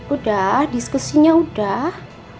udah diskusinya udah